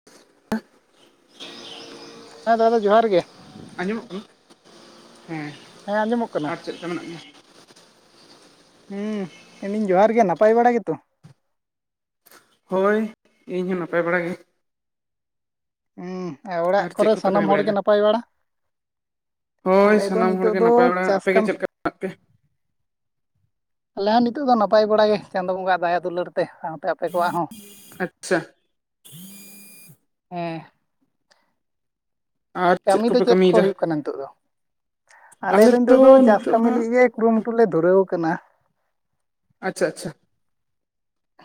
[inaudible] ᱦᱮᱸ ᱫᱟᱫᱟ ᱡᱚᱦᱟᱨ ᱜᱮ ᱟᱸᱡᱚᱢᱚᱜ ᱠᱟᱱᱟ, ᱦᱮᱸ ᱦᱮᱸ ᱟᱸᱡᱚᱢᱚᱜ ᱠᱟᱱᱟ ᱟᱨ ᱪᱮᱫ ᱠᱟ ᱢᱮᱱᱟᱜ ᱢᱮᱭᱟ ᱦᱩᱸ ᱢᱮᱱᱫᱟᱹᱧ ᱡᱚᱦᱟᱨ ᱜᱮ ᱱᱟᱯᱟᱭ ᱵᱟᱲᱟ ᱜᱮᱛᱚ ᱦᱳᱭ ᱤᱧᱦᱚᱸ ᱱᱟᱯᱟᱭ ᱵᱟᱲᱟ ᱜᱮ ᱦᱩᱸ ᱟᱨ ᱚᱲᱟᱜ ᱪᱮᱫ ᱠᱚᱨᱮ ᱠᱚᱯᱮ ᱥᱟᱱᱟᱢ ᱠᱟᱹᱢᱤ ᱦᱚᱲᱜᱮ ᱵᱟᱲᱟᱭᱮᱫᱟ ᱱᱟᱯᱟᱭ ᱵᱟᱲᱟ ᱦᱳᱭ ᱟᱞᱮ ᱫᱚ ᱥᱟᱱᱟᱢ ᱱᱤᱛᱚᱜ ᱦᱚᱲᱜᱮ ᱫᱚ ᱱᱟᱯᱟᱭ ᱵᱟᱲᱟᱜ ᱪᱟᱥ ᱟᱯᱮᱜ ᱜᱮ ᱠᱟᱢ ᱪᱮᱫ ᱞᱮᱠᱟ ᱢᱮᱱᱟᱜ ᱯᱮᱭᱟ ᱟᱞᱮ ᱦᱚᱸ ᱱᱤᱛᱳᱜ ᱫᱚ ᱱᱟᱯᱟᱭ ᱵᱟᱲᱟ ᱜᱮ ᱪᱟᱸᱫᱚ ᱵᱚᱸᱜᱟ ᱟᱜ ᱫᱟᱭᱟ ᱫᱩᱞᱟᱹᱲ ᱛᱮ ᱥᱟᱶ ᱛᱮ ᱟᱯᱮ ᱠᱚᱣᱟᱜ ᱦᱚᱸ, ᱟᱪᱪᱷᱟ ᱦᱮᱸ ᱟᱨ ᱠᱟᱹᱢᱤ ᱫᱚ ᱠᱚᱯᱮ ᱪᱮᱫ ᱠᱚ ᱠᱟᱹᱢᱤᱭᱮᱫᱟ ᱦᱩᱭᱩᱜ ᱠᱟᱱᱟ ᱱᱤᱛᱚᱜ ᱫᱚ᱾ ᱟᱞᱮ ᱫᱚ ᱱᱤᱛᱚᱜ ᱫᱚ ᱪᱟᱥ ᱠᱟᱹᱢᱤ ᱞᱟᱹᱜᱤᱫ ᱜᱮ ᱠᱩᱨᱩᱢᱩᱴᱩ ᱞᱮ ᱫᱷᱩᱨᱟᱹᱣ ᱟᱠᱟᱱᱟ ᱟᱪᱪᱷᱟ ᱟᱪᱪᱷᱟ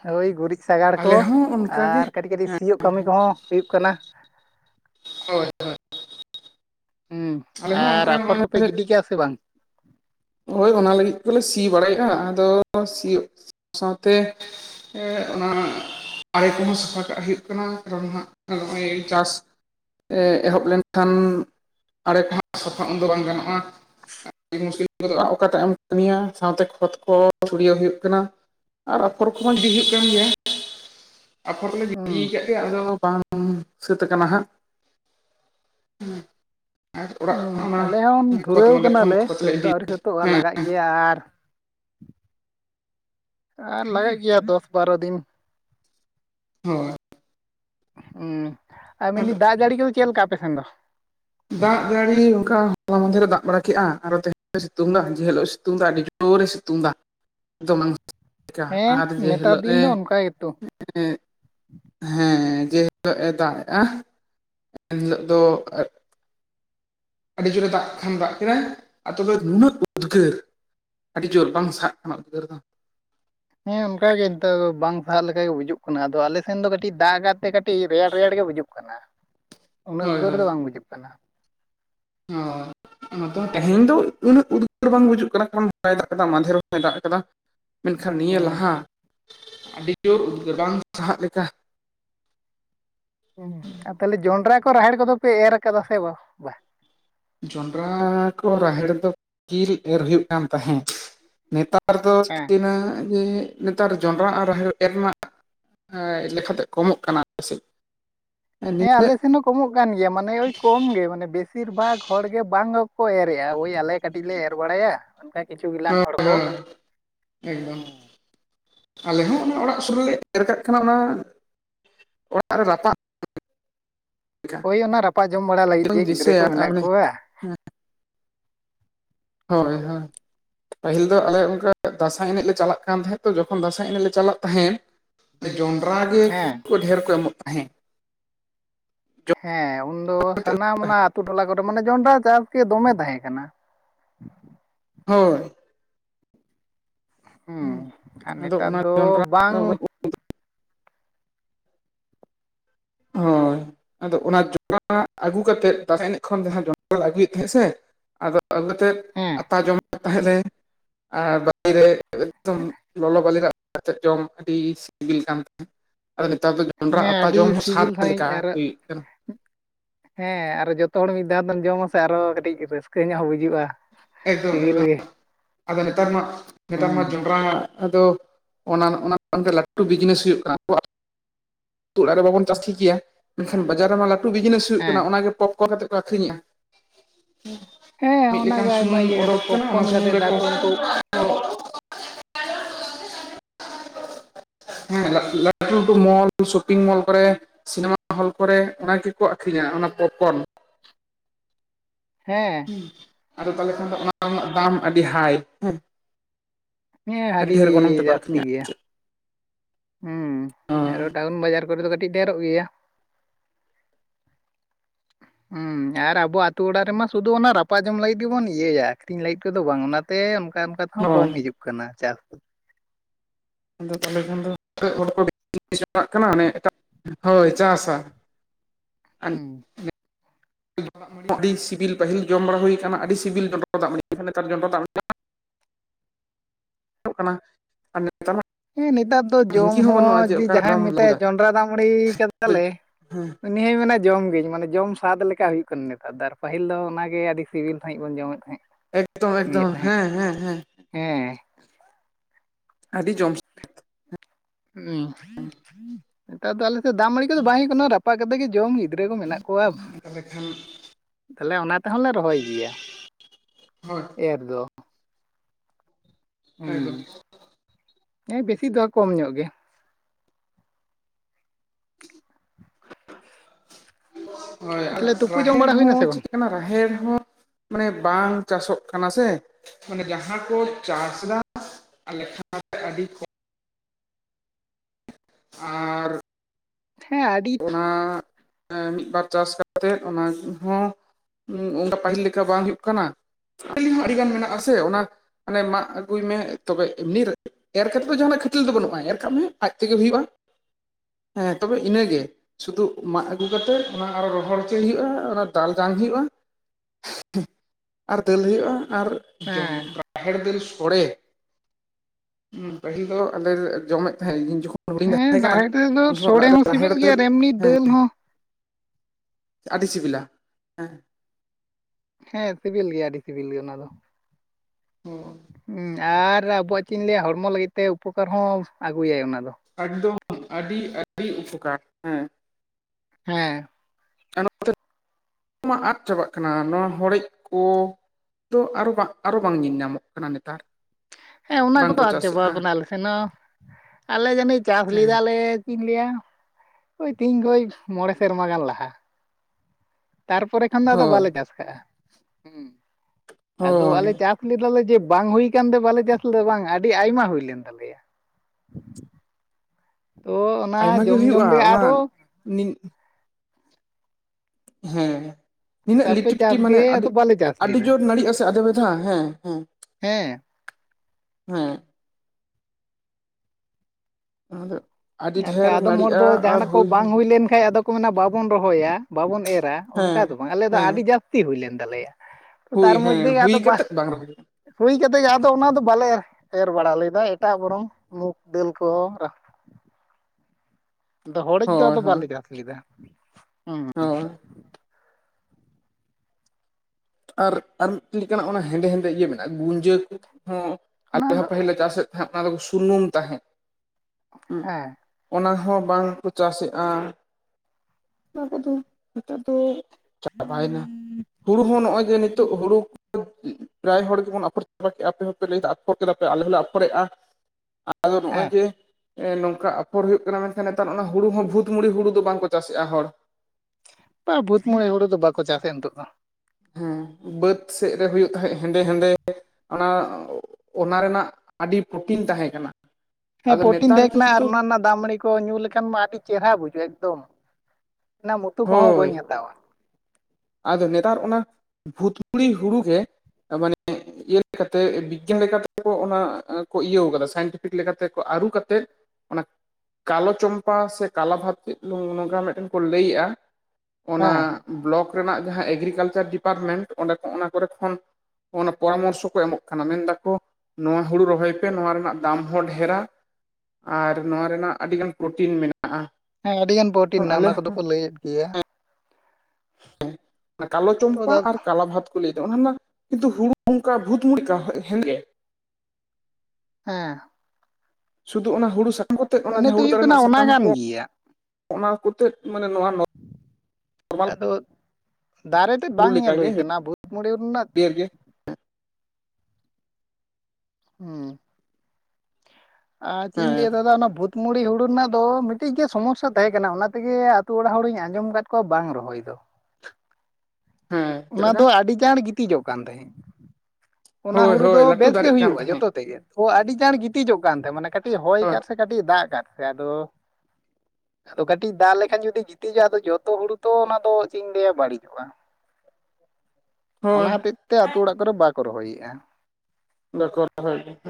ᱦᱳᱭ ᱜᱩᱨᱤᱡ ᱥᱟᱜᱟᱲ ᱠᱚ ᱟᱞᱮ ᱦᱚᱸ ᱚᱱᱠᱟᱜᱮ ᱟᱨ ᱠᱟᱹᱴᱤᱡ ᱠᱟᱹᱴᱤᱡ ᱥᱤᱭᱳᱜ ᱠᱟᱹᱢᱤ ᱠᱚᱦᱚᱸ ᱦᱩᱭᱩᱜ ᱠᱟᱱᱟ ᱦᱳᱭ ᱦᱳᱭ ᱦᱩ ᱦᱚᱸ ᱟᱨ ᱚᱱᱠᱟ ᱟᱯᱷᱚᱨ ᱱᱚᱜᱼᱚᱭ ᱠᱚᱯᱮ ᱜᱤᱰᱤ ᱠᱮᱜ-ᱟ ᱥᱮ ᱵᱟᱝ ᱦᱳᱭ ᱚᱱᱟ ᱞᱟᱹᱜᱤᱫ ᱫᱚᱞᱮ ᱥᱤ ᱵᱟᱲᱟᱭᱮᱫᱟ ᱟᱫᱚ ᱥᱤᱭᱳᱜ ᱥᱟᱶᱛᱮ ᱦᱮᱸ ᱚᱱᱟ ᱟᱲᱮ ᱠᱚᱦᱚᱸ ᱥᱟᱯᱷᱟ ᱠᱟᱜ ᱦᱩᱭᱩᱜ ᱠᱟᱱᱟ ᱟᱫᱚ ᱱᱟᱦᱟᱜᱼᱚᱭ ᱪᱟᱥ ᱮ ᱮᱦᱚᱵ ᱞᱮᱱᱠᱷᱟᱱ ᱟᱲᱮ ᱠᱚᱦᱚᱸ ᱥᱟᱯᱷᱟ ᱩᱱ ᱫᱚ ᱵᱟᱝ ᱜᱟᱱᱚᱜᱼᱟ ᱟᱰᱤ ᱢᱩᱥᱠᱤᱞᱚᱜ ᱜᱚᱫᱚᱜ-ᱟ ᱚᱠᱟᱴᱟᱜ ᱮᱢ ᱠᱟᱹᱢᱤᱭᱟ ᱥᱟᱶᱛᱮ ᱠᱷᱚᱛ ᱠᱚ ᱪᱩᱲᱭᱟᱹᱣ ᱦᱩᱭᱩᱜ ᱠᱟᱱᱟ ᱟᱨ ᱟᱯᱷᱚᱨ ᱠᱚᱦᱚᱸ ᱤᱫᱤ ᱦᱩᱭᱩᱜ ᱠᱟᱱ ᱜᱮᱭᱟ ᱟᱯᱷᱚᱨ ᱠᱚᱞᱮ ᱦᱩᱸ ᱜᱤᱰᱤ ᱠᱟᱜ ᱜᱮᱭᱟ ᱟᱫᱚ ᱵᱟᱝ ᱥᱟᱹᱛ ᱠᱟᱱᱟ ᱦᱟᱸᱜ ᱟᱨ ᱚᱲᱟᱜ ᱦᱩ ᱠᱷᱚᱱ ᱚᱱᱟ ᱟᱞᱮ ᱦᱚᱸ ᱠᱷᱚᱛ ᱫᱷᱩᱨᱟᱹᱣ ᱢᱚᱫᱮ ᱠᱷᱚᱱ ᱠᱟᱱᱟᱞᱮ ᱠᱷᱚᱛ ᱞᱮ ᱥᱟᱹᱛ ᱫᱚ ᱤᱫᱤᱭ ᱟᱹᱣᱨᱤ ᱥᱟᱹᱛᱚᱜᱼᱟ ᱦᱮᱸ ᱞᱟᱜᱟᱜ ᱜᱮᱭᱟ ᱟᱨ ᱟᱨ ᱞᱟᱜᱟᱜ ᱜᱮᱭᱟ ᱫᱚᱥ ᱵᱟᱨᱚ ᱫᱤᱱ ᱦᱳᱭ ᱦᱩ ᱟᱨ ᱟᱫᱚ ᱢᱮᱱᱫᱟᱹᱧ ᱫᱟᱜ ᱡᱟᱹᱲᱤ ᱠᱚᱫᱚ ᱪᱮᱫ ᱞᱮᱠᱟ ᱟᱯᱮ ᱥᱮᱱ ᱫᱚ ᱫᱟᱜ ᱡᱟᱹᱲᱤ ᱚᱱᱠᱟ ᱦᱚᱞᱟ ᱢᱟᱫᱷᱮᱨ ᱮ ᱫᱟᱜ ᱵᱟᱲᱟ ᱠᱮᱜᱼᱟ ᱟᱨᱷᱚ ᱛᱮᱷᱮᱧ ᱥᱤᱛᱩᱝ ᱫᱟ ᱡᱮ ᱦᱤᱞᱳᱜ ᱥᱤᱛᱩᱝ ᱫᱚ ᱟᱹᱰᱤ ᱡᱳᱨ ᱡᱳᱨᱮ ᱥᱤᱛᱩᱝ ᱫᱟ [inaudible] ᱦᱮᱸ ᱟᱨ ᱡᱮ ᱱᱮᱛᱟᱨ ᱦᱤᱞᱳᱜ ᱮ ᱫᱤᱱ ᱫᱚ ᱚᱱᱠᱟ ᱜᱮᱛᱚ [unintelligible] ᱦᱮᱸ ᱡᱮᱦᱤᱞᱳᱜ ᱮ ᱫᱟᱜ ᱮᱜᱼᱟ ᱮᱱ ᱦᱤᱞᱳᱜ ᱫᱚ ᱟᱹᱰᱤ ᱡᱳᱨᱮ ᱫᱟᱜ ᱠᱷᱟᱱ ᱫᱟᱜ ᱠᱮᱫᱟ ᱟ ᱛᱚᱵᱮ ᱱᱩᱱᱟᱹᱜ ᱩᱫᱽᱜᱟᱹᱨ ᱟᱹᱰᱤ ᱡᱳᱨ ᱵᱟᱝ ᱥᱟᱦᱟᱜ ᱠᱟᱱᱟ ᱩᱤᱫᱽᱜᱟᱹᱨ ᱫᱚ ᱦᱮᱸ ᱚᱱᱠᱟ ᱜᱮ ᱱᱮᱛᱟᱨ ᱫᱚ ᱵᱟᱝ ᱥᱟᱦᱟᱜ ᱞᱮᱠᱟ ᱴᱜᱮ ᱵᱩᱡᱩᱜ ᱠᱟᱱᱟ ᱟᱫᱚ ᱟᱞᱮ ᱥᱮᱱ ᱫᱚ ᱠᱟᱹᱴᱤᱡ ᱫᱟᱜ ᱠᱟᱜ ᱛᱮ ᱠᱟᱹᱴᱤᱡ ᱨᱮᱭᱟᱲ ᱨᱮᱭᱟᱲ ᱜᱮ ᱵᱩᱡᱩᱜ ᱠᱟᱱᱟ ᱩᱱᱟᱹᱜ ᱦᱳᱭ ᱩᱫᱽᱜᱟᱹᱨ ᱫᱚ ᱵᱟᱝ ᱵᱩᱡᱩᱜ ᱠᱟᱱᱟ ᱦᱚᱭ ᱛᱮᱦᱮᱧ ᱫᱚ ᱩᱱᱟᱹᱜ ᱩᱫᱽᱜᱟᱹᱨ ᱵᱟᱝ ᱵᱩᱡᱩᱜ ᱠᱟᱱᱟ ᱠᱟᱨᱚᱱ ᱦᱚᱞᱟᱭ ᱫᱟᱜ ᱠᱟᱫᱟ ᱢᱟᱫᱷᱮᱨᱮ ᱦᱚᱸᱭ ᱫᱟᱜ ᱟᱠᱟᱫᱟ ᱢᱮᱱᱠᱷᱟᱱ ᱱᱤᱭᱟᱹ ᱦᱩᱸ ᱞᱟᱦᱟ ᱟᱹᱰᱤ ᱡᱳᱨ ᱩᱫᱜᱟᱨ ᱵᱟᱝ ᱥᱟᱦᱟᱜ ᱞᱮᱠᱟ ᱦᱸ ᱟᱨ ᱛᱟᱦᱚᱞᱮ ᱡᱚᱱᱰᱨᱟ ᱠᱚ ᱨᱟᱦᱮᱲ ᱠᱚᱫᱚ ᱯᱮ ᱮᱨ ᱠᱟᱫᱟ ᱥᱮ ᱵᱟᱝ ᱵᱟ ᱵᱟ ᱡᱚᱱᱰᱨᱟ ᱠᱚ ᱨᱟᱦᱮᱲ ᱫᱚ ᱯᱟᱦᱹᱤᱞ ᱮᱨ ᱦᱩᱭᱩᱜ ᱠᱟᱱ ᱛᱟᱦᱮᱸᱫ ᱱᱮᱛᱟᱨ ᱱᱮᱛᱟᱨ ᱦᱮᱸ ᱛᱤᱱᱟ ᱡᱮ ᱱᱮᱛᱟᱨ ᱡᱚᱸᱰᱨᱟ ᱟᱨ ᱨᱟᱦᱮ ᱮᱨᱢᱟᱠ ᱞᱮᱠᱟᱛᱮ ᱠᱚᱢᱚᱜ ᱠᱟᱱᱟᱥᱮᱫ ᱦᱮᱸ ᱟᱞᱮ ᱥᱮᱱ ᱦᱚᱸ ᱠᱚᱢᱚᱜ ᱠᱟᱱ ᱜᱮᱭᱟ ᱢᱟᱱᱮ ᱳᱭ ᱠᱚᱢ ᱜᱮ ᱢᱟᱱᱮ ᱵᱮᱥ ᱵᱮᱥᱤᱨ ᱵᱷᱟᱜᱽ ᱦᱚᱲ ᱜᱮ ᱵᱟᱝ ᱜᱮᱠᱚ ᱮᱨᱜᱼᱟ ᱳᱭ ᱟᱞᱮ ᱠᱟᱹᱴᱤᱡ ᱞᱮ ᱮᱨ ᱵᱟᱲᱟᱭᱟ ᱚᱱᱠᱟ ᱠᱤᱪᱷᱩ ᱜᱮᱞᱟᱱ ᱦᱚᱲ ᱦᱳᱭ ᱠᱚ᱾ ᱦᱳᱭ ᱮᱠᱫᱚᱢ ᱟᱞᱮ ᱦᱚᱸ ᱚᱱᱮ ᱚᱲᱟᱜ ᱥᱩᱨ ᱨᱮᱞᱮ ᱮᱨ ᱠᱟᱜ ᱠᱟᱱᱟ ᱚᱱᱟ ᱚᱲᱟᱜ ᱨᱮ ᱨᱟᱯᱟᱜ ᱞᱮᱠᱟ ᱦᱳᱭ ᱚᱱᱟ ᱨᱟᱯᱟᱜ ᱡᱚᱢ ᱵᱟᱲᱟ ᱞᱟᱹᱜᱤᱫ ᱤᱧ ᱜᱮ ᱜᱤᱫᱽᱨᱟᱹ ᱠᱚ ᱫᱤᱥᱟᱹᱭᱟ ᱟᱨ ᱢᱮᱱᱟᱜ ᱢᱟᱱᱮ ᱠᱚᱣᱟ᱾ ᱦᱳᱭ ᱦᱳᱭ ᱯᱟᱹᱦᱤᱞ ᱫᱚ ᱟᱞᱮ ᱚᱱᱠᱟ ᱫᱟᱥᱟᱸᱭ ᱮᱱᱮᱡ ᱞᱮ ᱪᱟᱞᱟᱜ ᱠᱟᱱ ᱛᱟᱦᱮᱸᱫ ᱛᱚ ᱡᱚᱠᱷᱚᱱ ᱫᱟᱸᱥᱟᱭ ᱮᱱᱮᱡ ᱞᱮ ᱪᱟᱞᱟᱜ ᱛᱟᱦᱮᱸᱫ ᱡᱚᱱᱰᱨᱟ ᱜᱮ ᱦᱮᱸ ᱰᱷᱮᱨ ᱠᱚ ᱮᱢᱚᱜ ᱛᱟᱦᱮᱸᱫ ᱡᱚᱢ ᱦᱮᱸ ᱩᱱᱫᱚ ᱠᱟᱛᱮᱫ ᱥᱟᱱᱟᱢ ᱚᱱᱟ ᱛᱟᱦᱮᱸᱫ ᱟᱹᱛᱩ ᱴᱚᱞᱟ ᱠᱚᱨᱮ ᱢᱟᱱᱮ ᱡᱚᱱᱰᱨᱟ ᱪᱟᱥ ᱜᱮ ᱫᱚᱢᱮ ᱛᱟᱦᱮᱸ ᱠᱟᱱᱟ᱾ ᱦᱳᱭ ᱦᱩᱸ ᱟᱨ ᱟᱫᱚ ᱱᱮᱛᱟᱨ ᱚᱱᱟ ᱫᱚ ᱡᱚᱱᱰᱨᱟ ᱵᱟᱝ ᱦᱳᱭ ᱟᱫᱚ ᱚᱱᱟ ᱡᱚᱱᱰᱨᱟ ᱟᱹᱜᱩ ᱠᱟᱛᱮᱜ ᱫᱟᱸᱥᱟᱭ ᱮᱱᱮᱡ ᱠᱷᱚᱱ ᱡᱟᱦᱟᱸ ᱡᱚᱱᱰᱨᱟ ᱞᱮ ᱟᱹᱜᱩᱭᱮᱫ ᱛᱟᱦᱮᱸᱜ ᱥᱮ ᱟᱫᱚ ᱟᱹᱜᱩ ᱠᱟᱛᱮᱫ ᱦᱮᱸ ᱟᱛᱟ ᱡᱚᱢ ᱮᱛ ᱛᱟᱸᱦᱮᱞᱮ ᱟᱨ ᱵᱟᱞᱤ ᱨᱮ ᱮᱠᱫᱚᱢ ᱞᱚᱞᱚ ᱵᱟᱞᱤ ᱨᱮ ᱛᱮᱫ ᱡᱚᱢ ᱟᱹᱰᱤ ᱥᱤᱵᱤᱞ ᱠᱟᱱ ᱛᱟᱦᱮᱸᱫ, ᱟᱫᱚ ᱱᱮᱛᱟᱨ ᱫᱚ ᱡᱚᱱᱰᱨᱟ ᱦᱮᱸ ᱟᱛᱟ ᱟᱹᱰᱤ ᱡᱚᱢ ᱦᱚᱸ ᱥᱟᱫ ᱥᱤᱵᱤᱞ ᱥᱟᱺᱦᱤᱡ ᱞᱮᱠᱟ᱾ ᱟᱨ [unintelligible] ᱠᱟᱱᱟ ᱦᱮᱸ ᱟᱨᱚ ᱡᱚᱛᱚ ᱦᱚᱲ ᱢᱤᱫ ᱫᱷᱟᱣ ᱛᱮᱢ ᱡᱚᱢ ᱟ ᱥᱮ ᱟᱨᱚ ᱠᱟᱹᱴᱤᱡ ᱨᱟᱹᱥᱠᱟᱹ ᱧᱚᱜ ᱦᱚᱸ ᱵᱩᱡᱩᱜᱼᱟ᱾ ᱮᱠᱫᱚᱢ ᱥᱤᱵᱤᱞ ᱮᱠᱫᱚᱢ ᱜᱮ ᱟᱫᱚ ᱱᱮᱛᱟᱨ ᱢᱟ ᱱᱮᱛᱟᱨ ᱦᱩᱸ ᱢᱟ ᱡᱚᱸᱰᱨᱟ ᱟᱫᱚ ᱚᱱᱟ ᱚᱱᱟ ᱚᱱᱛᱮ ᱞᱟᱹᱴᱩ ᱵᱤᱡᱽᱱᱮᱥ ᱦᱩᱭᱩᱜ ᱠᱟᱱᱟ ᱟᱠᱚᱣᱟᱜ ᱟᱹᱛᱩ ᱚᱲᱟᱜ ᱨᱮ ᱵᱟᱵᱚᱱ ᱪᱟᱥ ᱴᱷᱤᱠ ᱜᱮᱭᱟ ᱢᱮᱱᱠᱷᱟᱱ ᱵᱟᱡᱟᱨ ᱨᱮᱢᱟ ᱞᱟᱹᱴᱩ ᱵᱤᱡᱽᱱᱮᱥ ᱦᱩᱭᱩᱜ ᱦᱮᱸ ᱠᱟᱱᱟ ᱚᱱᱟ ᱜᱮ ᱛᱚ ᱚᱱᱠᱟ ᱠᱟᱛᱮ ᱠᱚ ᱟᱠᱷᱨᱤᱧᱮᱜᱼᱟ ᱦᱮᱸ ᱢᱤᱫ ᱞᱮᱠᱟᱱ ᱚᱱᱟᱜᱮ ᱟᱭᱢᱟ ᱥᱩᱱᱩᱢ ᱤᱭᱟᱹ ᱠᱟᱛᱮ ᱚᱰᱳᱠ ᱠᱟᱱᱟ ᱚᱱᱟ ᱯᱚᱯᱠᱚᱨᱱ ᱥᱩᱱᱩᱢ ᱠᱟᱛᱮᱜ ᱨᱮᱠᱚ ᱛᱟᱨᱯᱚᱨ ᱩᱱᱠᱩ ᱦᱮᱸ ᱞᱟᱴᱷᱩ ᱞᱟᱴᱷᱩ ᱢᱚᱞ ᱥᱚᱯᱤᱝ ᱢᱚᱞ ᱠᱚᱨᱮ ᱥᱤᱱᱮᱢᱟ ᱦᱚᱞ ᱠᱚᱨᱮ ᱚᱱᱟ ᱜᱮᱠᱚ ᱟᱠᱷᱨᱤᱧᱟ ᱚᱱᱟ ᱯᱚᱯᱠᱚᱨᱱ ᱦᱮᱸ ᱟᱫᱚ ᱛᱟᱦᱚᱞᱮ ᱠᱷᱟᱱ ᱫᱚ ᱚᱱᱟ ᱨᱮᱱᱟᱜ ᱫᱟᱢ ᱟᱹᱰᱤ ᱦᱟᱭ ᱦᱮ ᱦᱮᱸ ᱟᱹᱰᱤ ᱛᱮᱠᱚ ᱡᱟᱹᱥᱛᱤ ᱟᱠᱷᱨᱤᱧᱟ ᱜᱮᱭᱟ, ᱦᱩᱸ ᱟᱨᱚ ᱴᱟᱣᱩᱱ ᱵᱟᱡᱟᱨ ᱠᱚᱨᱮ ᱫᱚ ᱠᱟᱹᱴᱤᱡ ᱰᱷᱮᱨᱚᱜ ᱜᱮᱭᱟ ᱦᱮᱸ ᱟᱨ ᱟᱵᱚ ᱟᱛᱳ ᱚᱲᱟᱜ ᱨᱮᱢᱟ ᱥᱩᱫᱩ ᱚᱱᱟ ᱨᱟᱯᱟᱜ ᱡᱚᱢ ᱞᱟᱹᱜᱤᱫ ᱜᱮᱵᱚᱱ ᱤᱭᱟᱹᱭᱟ ᱟᱠᱷᱨᱤᱧ ᱞᱟᱹᱜᱤᱫ ᱠᱚᱫᱚ ᱵᱟᱝ ᱚᱱᱟ ᱛᱮ ᱚᱱᱠᱟ ᱚᱱᱠᱟ ᱦᱚᱸ ᱠᱚᱢ ᱦᱳᱭ ᱦᱤᱡᱩᱜ ᱠᱟᱱᱟ ᱪᱟᱥ ᱠᱚ ᱟᱫᱚ ᱛᱟᱦᱚᱞᱮ ᱠᱷᱟᱱ ᱫᱚ ᱠᱚ ᱪᱟᱞᱟᱜ ᱠᱟᱱᱟ ᱚᱱᱮ ᱮᱴᱟᱜ ᱦᱳᱭ ᱪᱟᱥᱟ [unintelligible] ᱦᱩᱸ [unintelligible] ᱟᱹᱵᱤ ᱥᱤᱵᱤᱞ ᱯᱟᱹᱦᱤᱞ ᱡᱚᱢ ᱵᱟᱲᱟ ᱦᱩᱭ ᱠᱟᱱᱟ ᱟᱹᱰᱤ ᱥᱤᱵᱤᱞ ᱡᱚᱱᱰᱨᱚ ᱫᱟᱜ ᱢᱟᱹᱰᱤ ᱤᱧ ᱦᱚᱸ ᱱᱮᱛᱟᱨ ᱡᱚᱱᱰᱨᱚ ᱫᱟᱜ ᱢᱟᱹᱰᱤ [unintelligible] [unintelligible] ᱦᱮᱸ ᱱᱮᱛᱟᱨ ᱫᱚ ᱡᱚᱢ ᱰᱷᱤᱝᱠᱤ ᱵᱟᱹᱱᱩᱜᱼᱟ ᱦᱚᱸ ᱡᱮ ᱚᱠᱟᱨᱮ ᱡᱟᱦᱟᱸᱭ ᱮᱢ ᱰᱨᱟᱢ ᱢᱮᱛᱟᱭᱟ ᱞᱟᱹᱦᱩᱫᱟ ᱡᱚᱱᱰᱨᱟ ᱫᱟᱢ ᱟᱹᱵᱤ ᱠᱟᱫᱟᱞᱮ ᱦᱮᱸ ᱩᱱᱤ ᱦᱚᱸ ᱢᱮᱱᱟ ᱡᱚᱢ ᱜᱤᱧ ᱢᱟᱱᱮ ᱡᱚᱢ ᱥᱟᱫ ᱞᱮᱠᱟ ᱦᱩᱭᱩᱜ ᱠᱟᱱᱟ ᱱᱮᱛᱟᱨ ᱫᱚ ᱟᱨ ᱯᱟᱹᱦᱤᱞ ᱫᱚ ᱚᱱᱟᱜᱮ ᱟᱹᱰᱤ ᱥᱤᱵᱤᱞ ᱥᱟᱺᱦᱤᱡ ᱵᱚᱱ ᱡᱚᱢᱮᱫ ᱛᱟᱦᱮᱸᱫ᱾ ᱮᱠᱫᱚᱢ ᱧᱩᱭᱮᱫ ᱮᱠᱫᱚᱢ ᱛᱟᱦᱮᱸᱫ ᱦᱮᱸ ᱦᱮᱸ ᱦᱮᱸ ᱦᱮᱸ ᱟᱵᱤ ᱡᱚᱢᱥ ᱦᱚᱸ ᱱᱮᱛᱟᱨ ᱫᱚ ᱟᱞᱮᱥᱮᱫ ᱫᱟᱜ ᱢᱟᱹᱲᱤ ᱠᱚᱫᱚ ᱵᱟᱭ ᱦᱩᱭᱩᱜ ᱠᱟᱱᱟ ᱨᱟᱯᱟᱜ ᱠᱟᱛᱮ ᱜᱮ ᱡᱚᱢ ᱦᱩᱭᱩᱜ ᱜᱤᱫᱽᱨᱟᱹ ᱠᱚ ᱢᱮᱱᱟᱜ ᱠᱚᱣᱟ ᱛᱟᱦᱚᱞᱮ ᱠᱷᱟᱱ ᱛᱟᱦᱞᱮ ᱚᱱᱟ ᱛᱮᱦᱚᱸᱞᱮ ᱨᱚᱦᱚᱭ ᱜᱮᱭᱟ ᱦᱳᱭ ᱮᱨ ᱫᱚ ᱮᱠᱫᱚᱢ ᱦᱩᱸ ᱦᱮᱸ ᱵᱮᱥᱤ ᱫᱚ ᱠᱚᱢ ᱧᱚᱜ ᱜᱮ ᱦᱳᱭ ᱟᱨ ᱛᱟᱦᱚᱞᱮ ᱛᱩᱯᱩ ᱡᱚᱢ ᱨᱟᱦᱮᱮᱫ ᱵᱟᱲᱟ ᱦᱩᱭᱱᱟ ᱦᱚᱸ ᱥᱮ ᱵᱟᱝ ᱪᱮᱫ ᱠᱟᱱᱟ ᱨᱟᱦᱮᱲ ᱦᱚᱸ ᱢᱟᱱᱮ ᱵᱟᱝ ᱪᱟᱥᱚᱜ ᱠᱟᱱᱟ ᱥᱮ ᱢᱟᱱᱮ ᱡᱟᱦᱟᱸ ᱠᱚ ᱪᱟᱥᱫᱟ [unintelligible] ᱟᱨ ᱦᱮᱸ ᱟᱹᱰᱤ ᱚᱱᱟ ᱢᱤᱫᱵᱟᱨ ᱪᱟᱥ ᱠᱟᱛᱮᱜ ᱚᱱᱟ ᱦᱚᱸ ᱚᱱᱠᱟ ᱯᱟᱹᱦᱤᱞ ᱞᱮᱠᱟ ᱵᱟᱝ ᱦᱩᱭᱩᱜ ᱠᱟᱱᱟ ᱟᱹᱤ ᱦᱚᱸ ᱟᱹᱰᱤᱜᱟᱱ ᱢᱮᱱᱟᱜ ᱟ ᱥᱮ ᱚᱱᱟ ᱚᱱᱟ ᱢᱟᱜ ᱟᱹᱜᱩᱭ ᱢᱮ ᱛᱚᱵᱮ ᱮᱢᱱᱤ ᱨᱮ ᱮᱨ ᱠᱟᱛᱮᱫ ᱫᱚ ᱡᱟᱦᱟᱸᱱᱼᱟᱜ ᱠᱷᱟᱹᱴᱟᱹᱞᱤ ᱫᱚ ᱵᱟᱹᱱᱩᱜᱼᱟ ᱮᱨ ᱠᱟᱜ ᱢᱮ ᱟᱡ ᱛᱮᱜᱮ ᱦᱩᱭᱩᱜᱼᱟ ᱦᱮᱸ ᱛᱚᱵᱮ ᱤᱱᱟᱹᱜᱮ ᱥᱩᱫᱩ ᱢᱟᱜ ᱟᱹᱜᱩ ᱠᱟᱛᱮᱜ ᱚᱱᱟ ᱟᱨᱚ ᱨᱚᱦᱚᱲ ᱦᱚᱪᱚᱭ ᱦᱩᱭᱩᱜᱼᱟ ᱚᱱᱟ ᱫᱟᱞ ᱡᱟᱝ ᱦᱩᱭᱩᱜᱼᱟ ᱟᱨ ᱫᱟᱹᱞ ᱦᱩᱭᱩᱜᱼᱟ ᱟᱨ ᱡᱚᱢ ᱦᱮᱸ ᱨᱟᱦᱮᱲ ᱫᱟᱹᱞ ᱥᱚᱲᱮ ᱯᱟᱹᱦᱤᱞ ᱫᱚ ᱟᱞᱮ ᱡᱚᱢᱮᱫ ᱛᱟᱦᱮᱸᱫ ᱤᱱᱟᱹᱡᱚᱠᱷᱚᱱ ᱦᱰᱤᱧ ᱤᱧ ᱦᱮᱸ ᱛᱟᱦᱮᱸ ᱠᱟᱱᱟ ᱞᱟᱦᱮᱲ ᱨᱮᱫᱚ ᱩᱱ ᱥᱚᱢᱚᱭ ᱚᱲᱟᱜ ᱥᱚᱲᱮ ᱨᱮ ᱦᱚᱸ ᱨᱟᱦᱮᱲ ᱥᱤᱵᱤᱞ ᱜᱮᱭᱟ ᱫᱟᱹᱞ ᱟᱨ ᱮᱢᱱᱤ ᱦᱮᱸ ᱫᱟᱹᱞ ᱦᱚᱸ ᱟᱹᱰᱤ ᱥᱤᱵᱤᱞᱟ ᱦᱮᱸ ᱦᱮᱸ ᱥᱤᱵᱤᱞ ᱜᱮᱭᱟ ᱟᱹᱰᱤ ᱥᱤᱵᱤᱞ ᱜᱮᱭᱟ ᱚᱱᱟ ᱫᱚ ᱦᱚᱸ ᱦᱩᱸ ᱟᱨ ᱟᱵᱚᱣᱼᱟᱜ ᱪᱮᱫ ᱤᱧ ᱞᱟᱹᱭᱟ ᱦᱚᱲᱢᱚ ᱞᱟᱹᱜᱤᱫ ᱛᱮ ᱩᱯᱚᱠᱟᱨ ᱦᱚᱸ ᱟᱹᱜᱩᱭᱟᱭ ᱚᱱᱟ ᱫᱚ ᱮᱠᱫᱚᱢ ᱟᱹᱰᱤ ᱟᱹᱰᱤ ᱩᱯᱚᱠᱟᱨ ᱦᱮᱸ ᱦᱮᱸ ᱟᱨ ᱱᱚᱛᱮ ᱢᱟ ᱟᱫ ᱪᱟᱵᱟᱜ ᱠᱟᱱᱟ ᱱᱚᱣᱟ ᱦᱚᱲᱮᱡ ᱠᱚ ᱫᱚ ᱟᱨᱚ ᱵᱟᱝ ᱟᱨᱚ ᱵᱟᱝ ᱧᱮᱞ ᱧᱟᱢᱚᱜ ᱠᱟᱱᱟ ᱱᱮᱛᱟᱨ ᱦᱮᱸ ᱚᱱᱟ ᱠᱚᱫᱚ ᱵᱟᱝᱠᱚ ᱟᱫ ᱪᱟᱵᱟᱣ ᱪᱟᱥᱮᱜᱼᱟ ᱠᱟᱱᱟ ᱟᱞᱮ ᱥᱮᱱᱦᱚᱸ ᱟᱞᱮ ᱡᱟᱹᱱᱤᱡ ᱪᱟᱥ ᱦᱮᱸ ᱞᱮᱫᱟᱞᱮ ᱤᱧ ᱞᱟᱹᱭᱟ ᱳᱭ ᱛᱤᱦᱤᱧ ᱠᱷᱚᱡ ᱢᱚᱸᱬᱮ ᱥᱮᱨᱢᱟ ᱜᱟᱱ ᱞᱟᱦᱟ ᱛᱟᱨᱯᱚᱨᱮ ᱠᱷᱟᱱ ᱫᱚ ᱟᱫᱚ ᱦᱳᱭ ᱵᱟᱞᱮ ᱪᱟᱥ ᱠᱟᱜᱼᱟ ᱟᱫᱚ ᱦᱳᱭ ᱟᱞᱮ ᱪᱟᱥ ᱞᱟᱹᱭ ᱫᱟᱞᱮ ᱡᱮ ᱵᱟᱝ ᱦᱩᱭ ᱠᱟᱱᱛᱮ ᱵᱟᱞᱮ ᱪᱟᱥ ᱞᱮᱫᱟ ᱵᱟᱝ ᱟᱹᱰᱤ ᱟᱭᱢᱟ ᱦᱩᱭ ᱞᱮᱱ ᱛᱟᱞᱮᱭᱟ [unintelligible] ᱛᱚ ᱚᱱᱟ ᱡᱚᱢ ᱡᱚᱢ ᱛᱮᱜᱮ ᱟᱨᱚ ᱱᱤᱢ ᱦᱮᱸ ᱱᱤᱱᱟᱹᱜ ᱛᱟᱨᱯᱚᱨᱮ ᱞᱤᱴᱤᱯᱴᱤ ᱪᱟᱥ ᱢᱟᱱᱮ ᱜᱮ ᱟᱹᱰᱤ ᱟᱫᱚ ᱵᱟᱞᱮ ᱪᱟᱥ ᱟᱹᱰᱤ ᱞᱮᱫᱟ ᱡᱳᱨ ᱱᱟᱲᱤᱜᱼᱟ ᱥᱮ ᱟᱫᱷᱮ ᱵᱫᱷᱮ ᱦᱮᱸ ᱦᱮᱸ ᱦᱮᱸ ᱦᱮᱸ ᱟᱫᱚ ᱟᱨ ᱠᱷᱟᱡ ᱟᱫᱚᱢ ᱦᱚᱲ ᱫᱚ ᱡᱟᱦᱟᱱᱼᱟᱜ ᱠᱚ ᱵᱟᱝ ᱦᱩᱭ ᱞᱮᱱ ᱠᱷᱟᱡ ᱟᱫᱚ ᱢᱮᱱᱟ ᱵᱟᱵᱚᱱ ᱨᱚᱦᱚᱭᱟ ᱵᱟᱵᱚᱱ ᱮᱨᱟ ᱚᱱᱠᱟ ᱦᱮᱸ ᱫᱚ ᱵᱟᱝ ᱟᱞᱮ ᱫᱚ ᱦᱮᱸ ᱟᱹᱰᱤ ᱡᱟᱹᱥᱛᱤ ᱦᱩᱭ ᱞᱮᱱ ᱛᱟᱞᱮᱭᱟ ᱛᱚ ᱦᱩᱭ ᱛᱟᱨ ᱦᱮᱸ ᱢᱚᱫᱫᱷᱮ ᱜᱮ ᱦᱩᱭ ᱮᱫᱚ ᱵᱟ ᱠᱟᱛᱮᱫ ᱵᱟᱝ ᱨᱚᱦᱚᱭ ᱦᱩᱭ ᱠᱟᱛᱮ ᱡᱟᱦᱟᱸ ᱫᱚ ᱚᱱᱟ ᱫᱚ ᱵᱟᱞᱮ ᱮᱨ ᱮᱨ ᱵᱟᱲᱟᱭᱟ ᱞᱟᱹᱭ ᱫᱟᱭ ᱮᱴᱟᱜ ᱵᱚᱨᱚᱝ ᱢᱩᱠ ᱫᱟᱹᱞ ᱠᱚ ᱟᱫᱚ ᱦᱚᱲᱮᱡ ᱫᱚ ᱦᱳᱭ ᱟᱫᱚ ᱵᱟᱞᱮ ᱪᱟᱥ ᱞᱮᱫᱟ ᱦᱩᱸ ᱟᱨ ᱟᱨ ᱢᱤᱫ ᱞᱮᱠᱟᱱᱼᱟᱜ ᱚᱱᱟ ᱦᱮᱸᱫᱮ ᱦᱮᱸᱫᱮ ᱤᱭᱟᱹ ᱢᱮᱱᱟᱜᱼᱟ ᱜᱩᱡᱟᱹ ᱠᱚᱦᱚᱸ ᱚᱱᱟ ᱟᱞᱮ ᱫᱚ ᱯᱟᱦᱤᱞ ᱞᱮ ᱪᱟᱥ ᱮᱫ ᱛᱟᱦᱮᱸᱫ ᱚᱱᱟ ᱫᱚᱠᱚ ᱥᱩᱱᱩᱢ ᱛᱟᱦᱮᱸᱫ ᱦᱮᱸ ᱚᱱᱟ ᱦᱚᱸ ᱵᱟᱝᱠᱚ ᱪᱟᱥᱮᱜᱼᱟ ᱚᱱᱟ ᱠᱚᱫᱚ ᱱᱮᱛᱟᱨ ᱫᱚ ᱪᱟᱵᱟᱭ ᱮᱱᱟ ᱦᱩᱲᱩ ᱦᱚᱸ ᱱᱚᱜᱼᱚᱭ ᱡᱮ ᱱᱤᱛᱚᱜ ᱦᱩᱲᱩ ᱯᱨᱟᱭ ᱦᱚᱲ ᱜᱮᱵᱚᱱ ᱟᱯᱷᱚᱨ ᱪᱟᱵᱟ ᱠᱮᱜᱼᱟ ᱟᱯᱮ ᱦᱚᱸᱯᱮ ᱞᱟᱹᱭᱟ ᱟᱯᱷᱚᱨ ᱠᱮᱫᱟ ᱯᱮ ᱟᱞᱮ ᱦᱚᱸᱞᱮ ᱟᱯᱷᱚᱨᱮᱜᱼᱟ ᱟᱞᱮ ᱱᱚᱸᱜᱼᱚᱭ ᱦᱮᱸ ᱡᱮ ᱱᱚᱝᱠᱟ ᱟᱯᱷᱚᱨ ᱦᱩᱭᱩᱜ ᱠᱟᱱᱟ ᱢᱮᱱᱠᱷᱟᱱ ᱱᱮᱛᱟᱨ ᱚᱱᱟ ᱦᱩᱲᱩ ᱦᱚᱸ ᱵᱷᱩᱛ ᱢᱩᱲᱤ ᱦᱩᱲᱩ ᱫᱚ ᱵᱟᱝᱠᱚ ᱪᱟᱥᱮᱜᱼᱟ ᱦᱚᱲ ᱵᱟ ᱵᱷᱩᱛ ᱢᱩᱲᱤ ᱦᱩᱲᱩ ᱫᱚ ᱵᱟᱠᱚ ᱪᱟᱥᱮᱜᱼᱟ ᱱᱤᱛᱳᱚᱜ ᱫᱚ ᱦᱩᱸ ᱵᱟᱹᱫ ᱥᱮᱜ ᱨᱮ ᱦᱩᱭᱩᱜ ᱛᱟᱦᱮᱸᱫ ᱦᱮᱸᱫᱮ ᱦᱮᱸᱫᱮ ᱚᱱᱟ ᱚᱱᱟ ᱨᱮᱱᱟᱜ ᱟᱹᱰᱤ ᱯᱨᱚᱴᱤᱱ ᱛᱟᱦᱮᱸ ᱠᱟᱱᱟ ᱦᱮᱸ ᱟᱫᱚ ᱯᱨᱳᱚᱴᱤᱱ ᱫᱚ ᱱᱮᱛᱟᱨ ᱦᱳᱭᱳᱜ ᱠᱟᱱᱟ ᱟᱨ ᱠᱤᱱᱛᱩ ᱚᱱᱟ ᱨᱮᱱᱟᱜ ᱫᱟᱜᱢᱟᱹᱲᱤ ᱠᱚ ᱧᱩ ᱞᱮᱠᱷᱟᱱ ᱢᱟ ᱟᱹᱰᱤ ᱪᱮᱨᱦᱟ ᱵᱩᱡᱷᱟᱹᱜᱼᱟ ᱮᱠᱫᱚᱢ ᱢᱮᱱᱟᱢ ᱩᱛᱩ ᱠᱚᱦᱚᱸ ᱵᱟᱹᱧ ᱦᱳᱭ ᱦᱟᱛᱟᱣᱟ ᱟᱫᱚ ᱱᱮᱛᱟᱨ ᱚᱱᱟ ᱵᱷᱩᱛ ᱢᱩᱲᱤ ᱦᱩᱲᱩ ᱜᱮ ᱢᱟᱱᱮ ᱤᱭᱟᱹ ᱞᱮᱠᱟᱛᱮ ᱵᱤᱜᱽᱜᱟᱱ ᱞᱮᱠᱟᱛᱮ ᱚᱱᱟ ᱠᱚ ᱤᱭᱟᱹᱣ ᱠᱟᱫᱟ ᱥᱟᱭᱮᱱᱴᱤᱯᱷᱤᱠ ᱞᱮᱠᱟᱛᱮ ᱟᱹᱨᱩ ᱠᱟᱛᱮᱫ ᱚᱱᱟ ᱠᱟᱞᱚ ᱪᱚᱢᱯᱟ ᱥᱮ ᱠᱟᱞᱵᱷᱟᱛᱤ ᱱᱚᱝᱠᱟ ᱢᱤᱫᱴᱮᱱ ᱠᱚ ᱞᱟᱹᱭᱮᱜᱼᱟ ᱚᱱᱟ ᱦᱮᱸ ᱵᱞᱚᱠ ᱨᱮᱱᱟᱜ ᱡᱟᱦᱟᱸ ᱮᱜᱽᱨᱤᱠᱟᱞᱪᱟᱨ ᱰᱤᱯᱟᱨᱢᱮᱱᱴ ᱚᱸᱰᱮ ᱠᱷᱚᱱ ᱚᱱᱟ ᱠᱚᱨᱮ ᱠᱷᱚᱱ ᱚᱱᱟ ᱯᱚᱨᱟᱢᱚᱨᱥᱚ ᱠᱚ ᱮᱢᱚᱜ ᱠᱟᱱᱟ ᱢᱮᱱᱫᱟᱠᱚ ᱱᱚᱣᱟ ᱦᱩᱲᱩ ᱨᱚᱦᱚᱭ ᱯᱮ ᱱᱚᱣᱟ ᱨᱮᱱᱟᱜ ᱫᱟᱢ ᱦᱚᱸ ᱰᱷᱮᱨᱟ ᱟᱨ ᱱᱚᱣᱟ ᱨᱮᱱᱟᱜ ᱟᱹᱰᱤᱜᱟᱱ ᱯᱨᱚᱴᱤᱱ ᱢᱮᱱᱟᱜᱼᱟ ᱦᱮᱸ ᱟᱹᱰᱤ ᱜᱟᱱ ᱯᱨᱳᱴᱤᱱ ᱢᱮᱱᱟᱜᱼᱟ ᱟᱞᱮ ᱚᱱᱟ ᱠᱚᱫᱚ ᱠᱚ ᱞᱟᱹᱭᱮᱫ ᱜᱮᱭᱟ ᱠᱟᱞᱚ ᱛᱚ ᱪᱚᱢᱯᱟ ᱟᱨ ᱠᱟᱞᱚ ᱵᱷᱟᱛ ᱠᱚ ᱞᱟᱹᱭ ᱫᱚ ᱚᱱᱟ ᱢᱟ ᱠᱤᱱᱛᱩ ᱦᱩᱲᱩ ᱚᱱᱠᱟ ᱵᱷᱩᱛ ᱢᱩᱲᱤ ᱠᱟ ᱦᱮᱸᱫᱮ ᱦᱮᱸ ᱥᱩᱫᱷᱩ ᱚᱱᱟ ᱦᱩᱲᱩ ᱥᱟᱠᱟᱢ ᱠᱚᱛᱮ ᱚᱱᱟ ᱢᱚᱱᱮ ᱡᱟᱦᱟᱸ ᱫᱚ ᱦᱩᱲᱩ ᱦᱩᱭᱩᱜ ᱫᱟᱨᱮ ᱨᱮᱱᱟᱜ ᱠᱟᱱᱟ ᱚᱱᱟ ᱥᱟᱠᱟᱢ ᱠᱚ ᱠᱟᱱ ᱜᱮᱭᱟ ᱚᱱᱟ ᱠᱚᱛᱮᱜ ᱢᱟᱱᱮ ᱱᱚᱣᱟ ᱟᱫᱚ ᱫᱟᱨᱮᱛᱮᱫ ᱦᱩᱲᱩ ᱵᱟᱝ ᱧᱮᱞ ᱞᱮᱠᱟᱜᱮ ᱦᱩᱭᱠᱟᱱᱟ ᱵᱷᱩᱛ ᱢᱩᱲᱤ ᱨᱮᱱᱟᱜ ᱦᱟᱹᱨᱭᱟᱹᱲ ᱜᱮ ᱦᱩᱸ ᱟ ᱪᱮᱫ ᱦᱮᱸ ᱤᱧ ᱞᱟᱹᱭ ᱫᱟᱫᱟ ᱚᱱᱟ ᱵᱷᱩᱛ ᱵᱷᱩᱛ ᱢᱩᱲᱤ ᱦᱩᱲᱩ ᱨᱮᱱᱟᱜ ᱫᱚ ᱢᱤᱫᱴᱤᱡ ᱜᱮ ᱥᱚᱢᱚᱥᱥᱟ ᱛᱟᱦᱮᱸ ᱠᱟᱱᱟ ᱚᱱᱟ ᱛᱮᱜᱮ ᱟᱛᱳ ᱚᱲᱟᱜ ᱦᱚᱲᱤᱧ ᱟᱸᱡᱚᱢ ᱟᱠᱟᱫ ᱠᱚᱣᱟ ᱵᱟᱝ ᱨᱚᱦᱚᱭ ᱫᱚ ᱦᱮᱸ ᱪᱮᱫ ᱚᱱᱟ ᱞᱮᱠᱟ ᱫᱚ ᱟᱹᱰᱤ ᱜᱟᱱ ᱜᱤᱛᱤᱡᱚᱜ ᱠᱟᱱ ᱛᱟᱦᱮᱸᱫ ᱚᱱᱟ ᱦᱳᱭ ᱦᱩᱲᱩ ᱫᱚ ᱦᱳᱭ ᱞᱟᱹᱴᱩ ᱵᱮᱥ ᱜᱮ ᱫᱟᱨᱮᱜ ᱠᱟᱱ ᱦᱩᱭᱩᱜᱼᱟ ᱛᱟᱦᱮᱸᱫ ᱡᱚᱛᱚ ᱛᱮᱜᱮ ᱚ ᱟᱹᱰᱤ ᱜᱟᱱ ᱜᱤᱛᱤᱡᱚᱜ ᱠᱟᱱ ᱛᱟᱦᱮᱸᱜ ᱢᱟᱱᱮ ᱠᱟᱹᱴᱤᱡ ᱮ ᱦᱚᱭ ᱦᱳᱭ ᱠᱟᱫ ᱥᱮ ᱠᱟᱹᱴᱤᱡ ᱮ ᱫᱟᱜ ᱠᱟᱫ ᱥᱮ ᱟᱫᱚ ᱟᱫᱚ ᱠᱟᱹᱴᱤᱡ ᱫᱟᱜ ᱞᱮᱠᱷᱟᱱ ᱡᱩᱫᱤ ᱜᱤᱛᱤᱡᱚᱜᱼᱟ ᱟᱫᱚ ᱡᱚᱛᱚ ᱦᱩᱲᱩ ᱛᱚ ᱚᱱᱟᱫᱚ ᱪᱮᱫ ᱤᱧ ᱞᱟᱹᱭᱟ ᱵᱟᱹᱲᱤᱡᱚᱜᱼᱟ ᱚᱱᱟ ᱦᱳᱭ ᱦᱚᱛᱮᱡ ᱛᱮ ᱟᱛᱳ ᱚᱲᱟᱜ ᱠᱚᱨᱮ ᱵᱟᱠᱚ ᱨᱚᱦᱚᱭᱮᱫᱼᱟ ᱵᱟᱠᱚ ᱨᱚᱦᱚᱭ ᱮᱫ ᱟ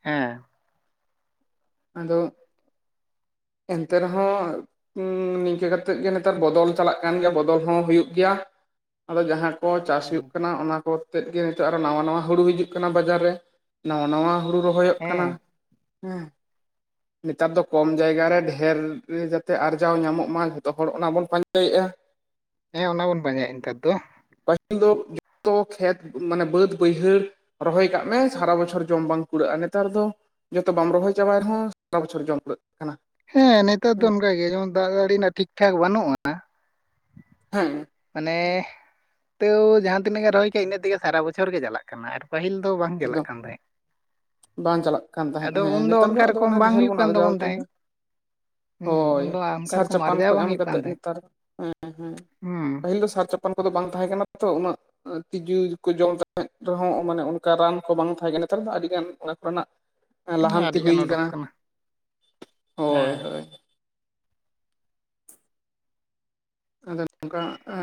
ᱦᱮᱸ ᱟᱫᱚ ᱮᱱᱛᱮ ᱨᱮᱦᱚᱸ ᱱᱤᱝᱠᱟᱹ ᱠᱟᱛᱮᱜ ᱜᱮ ᱱᱮᱛᱟᱨ ᱵᱚᱫᱚᱞ ᱪᱟᱞᱟᱜ ᱠᱟᱱ ᱜᱮᱭᱟ ᱵᱚᱫᱚᱞ ᱦᱚᱸ ᱦᱩᱭᱩᱜ ᱜᱮᱭᱟ ᱟᱫᱚ ᱡᱟᱦᱟᱸ ᱠᱚ ᱪᱟᱥ ᱦᱩᱭᱩᱜ ᱠᱟᱱᱟ ᱚᱱᱟ ᱠᱚ ᱛᱮᱫ ᱜᱮ ᱱᱤᱛᱚᱜ ᱟᱨᱦᱚ ᱱᱟᱣᱟ ᱱᱟᱣᱟ ᱦᱩᱲᱩ ᱦᱤᱡᱩᱜ ᱠᱟᱱᱟ ᱵᱟᱡᱟᱨ ᱨᱮ ᱱᱟᱣᱟ ᱱᱟᱣᱟ ᱦᱩᱲᱩ ᱨᱚᱦᱚᱭᱚᱜ ᱦᱮᱸ ᱠᱟᱱᱟ ᱦᱮᱸ ᱱᱮᱛᱟᱨ ᱫᱚ ᱠᱚᱢ ᱡᱟᱭᱜᱟ ᱨᱮ ᱰᱷᱮᱨ ᱡᱟᱛᱮ ᱟᱨᱡᱟᱣ ᱧᱟᱢᱚᱜ ᱢᱟ ᱡᱚᱛᱚ ᱦᱚᱲ ᱚᱱᱟ ᱵᱚᱱ ᱯᱟᱸᱧᱪᱟᱭᱮᱜᱼᱟ ᱦᱮᱸ ᱚᱱᱟ ᱵᱚᱱ ᱯᱟᱸᱡᱟᱭᱮᱫᱼᱟ ᱱᱮᱛᱟᱨ ᱫᱚ ᱯᱟᱹᱦᱤᱞ ᱫᱚ ᱡᱚᱛᱚ ᱠᱷᱮᱛ ᱢᱟᱱᱮ ᱵᱟᱹᱫ ᱵᱟᱹᱭᱦᱟᱹᱲ ᱨᱚᱦᱚᱭ ᱠᱟᱜ ᱢᱮ ᱥᱟᱨᱟ ᱵᱚᱪᱷᱚᱨ ᱡᱚᱢ ᱵᱟᱝ ᱠᱩᱲᱟᱹᱜᱼᱟ ᱱᱮᱛᱟᱨ ᱫᱚ ᱡᱚᱛᱚ ᱵᱟᱢ ᱨᱚᱦᱚᱭ ᱪᱟᱵᱟᱭ ᱨᱮᱦᱚᱸ ᱥᱟᱨᱟ ᱵᱚᱪᱷᱚᱨ ᱡᱚᱢ ᱯᱩᱨᱟᱹᱜ ᱠᱟᱱᱟ ᱦᱮᱸ ᱱᱮᱛᱟᱨ ᱫᱚ ᱚᱱᱠᱟ ᱜᱮ ᱡᱮᱢᱚᱱ ᱫᱟᱜ ᱢᱟ. ᱲᱤ ᱨᱮᱱᱟᱜ ᱴᱷᱤᱠ ᱴᱷᱟᱠ ᱵᱟᱹᱱᱩᱜᱼᱟ ᱦᱮᱸ ᱢᱟᱱᱮ ᱛᱳ ᱡᱟᱦᱟᱸ ᱛᱤᱱᱟᱹᱜ ᱜᱮ ᱨᱚᱦᱚᱭ ᱠᱟᱜ ᱤᱱᱟᱹᱜ ᱛᱮᱜᱮ ᱥᱟᱨᱟ ᱵᱚᱪᱷᱚᱨ ᱜᱮ ᱪᱟᱞᱟᱜ ᱠᱟᱱᱟ ᱠᱟᱱᱟ ᱟᱨ ᱯᱟᱹᱦᱤᱞ ᱫᱚ ᱵᱟᱝ ᱪᱟᱞᱟᱜ ᱮᱠᱫᱚᱢ ᱠᱟᱱ ᱛᱟᱦᱮᱸᱫ ᱵᱟᱝ ᱪᱟᱞᱟᱜ ᱠᱟᱱ ᱛᱟᱦᱮᱸᱫ ᱟᱫᱚ ᱦᱮᱸ ᱩᱱᱫᱚ ᱱᱮᱛᱟᱨ ᱫᱚ ᱚᱱᱠᱟ ᱟᱫᱚ ᱚᱱᱮ ᱨᱚᱠᱚᱢ ᱵᱟᱝ ᱰᱷᱮᱨ ᱦᱩᱭᱩᱜ ᱵᱚᱱ ᱠᱟᱱ ᱟᱨᱡᱟᱣ ᱛᱟᱵᱚᱱ ᱦᱚᱪᱚᱭ ᱫᱟ ᱛᱟᱦᱮᱸᱫ ᱦᱮᱸ ᱦᱳᱭ ᱩᱱᱫᱚ ᱚᱱᱠᱟ ᱥᱟᱨ ᱨᱚᱠᱚᱢ ᱪᱟᱯᱟᱱ ᱟᱨᱡᱟᱣ ᱠᱚ ᱵᱟᱝ ᱮᱢ ᱦᱩᱭᱩᱜ ᱠᱟᱱ ᱠᱟᱛᱮ ᱛᱟᱦᱮᱸᱫ ᱱᱮᱛᱟᱨ ᱦᱮᱸ ᱦᱮᱸ ᱦᱩᱸ ᱯᱟᱹᱦᱤᱞ ᱫᱚ ᱥᱟᱨ ᱪᱟᱯᱟ ᱯᱟᱱ ᱠᱚᱫᱚ ᱵᱟᱝ ᱛᱟᱦᱮᱸ ᱠᱟᱱᱟ ᱛᱚ ᱩᱱᱟᱹᱜ ᱛᱤᱡᱩ ᱠᱚ ᱡᱚᱢ ᱥᱟᱨᱮᱡ ᱨᱮᱦᱚᱸ ᱢᱟᱱᱮ ᱚᱱᱠᱟ ᱨᱟᱱ ᱠᱚ ᱵᱟᱝ ᱛᱟᱦᱮᱸ ᱠᱟᱱᱟ ᱱᱮᱛᱟᱨ ᱫᱚ ᱟᱹᱰᱤᱜᱟᱱ ᱚᱱᱟ ᱠᱚᱨᱮᱱᱟᱜ ᱦᱮᱸ ᱞᱟᱦᱟᱱᱛᱤ ᱦᱩᱭ ᱟᱹᱰᱤᱜᱟᱱ ᱚᱰᱚᱠ ᱠᱟᱱᱟ ᱦᱳᱭ ᱦᱮᱸ ᱦᱳᱭ ᱟᱫᱚ ᱱᱚᱝᱠᱟ ᱮ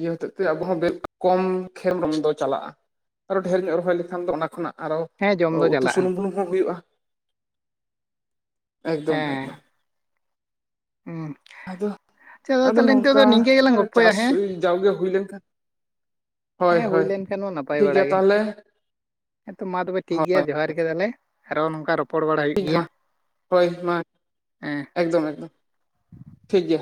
ᱤᱭᱟᱹ ᱦᱚᱛᱮᱜ ᱛᱮ ᱟᱵᱚ ᱦᱚᱸ ᱠᱚᱢ ᱠᱷᱮᱞ ᱵᱚᱱᱫᱚ ᱪᱟᱞᱟᱜᱼᱟ ᱟᱨᱚ ᱰᱷᱮᱮᱨ ᱧᱚᱜ ᱨᱚᱦᱚᱭ ᱞᱮᱠᱷᱟᱱ ᱫᱚ ᱚᱱᱟ ᱠᱷᱚᱱᱟᱜ ᱟᱨᱚ ᱦᱮᱸ ᱡᱚᱢ ᱫᱚ ᱩᱛᱩ ᱪᱟᱞᱟᱜᱼᱟ ᱥᱩᱱᱩᱢ ᱵᱩᱞᱩᱝ ᱦᱚᱸ ᱦᱩᱭᱩᱜᱼᱟ ᱮᱠᱫᱚᱢ ᱦᱮᱸ ᱮᱠᱫᱚᱢ ᱦᱩᱸ ᱟᱫᱚ, ᱟᱪᱪᱷᱟ ᱫᱟᱫᱟ ᱟᱫᱚ ᱛᱟᱦᱚᱞᱮ ᱱᱤᱛᱚᱜ ᱫᱚ ᱱᱚᱝᱠᱟ ᱱᱤᱝᱠᱟᱹ ᱜᱮᱞᱟᱝ ᱜᱚᱞᱯᱚᱭᱟ ᱪᱟᱥ ᱦᱮᱸ ᱡᱟᱣᱜᱮ ᱦᱩᱭ ᱞᱮᱱᱠᱷᱟᱱ ᱦᱳᱭ ᱦᱮᱸ ᱦᱩᱭ ᱦᱳᱭ ᱞᱮᱱᱠᱷᱟᱱ ᱢᱟ ᱱᱟᱯᱟᱭ ᱴᱷᱤᱠ ᱵᱟᱲᱟ ᱜᱮᱭᱟ ᱜᱮ ᱛᱟᱦᱚᱞᱮ ᱦᱮᱸᱛᱚ ᱢᱟ ᱛᱚᱵᱮ ᱴᱷᱤᱠ ᱜᱮᱭᱟ ᱦᱳᱭ ᱡᱚᱦᱟᱨ ᱜᱮ ᱛᱟᱦᱚᱞᱮ ᱟᱨᱷᱚ ᱱᱚᱝᱠᱟ ᱨᱚᱯᱚᱲ ᱵᱟᱲᱟ ᱦᱩᱭᱩᱜ ᱤᱧ ᱜᱮᱭᱟ ᱦᱚᱸ ᱦᱳᱭ ᱢᱟ ᱦᱮᱸ ᱮᱠᱫᱚᱢ ᱮᱠᱫᱚᱢ ᱴᱷᱤᱠ ᱜᱮᱭᱟ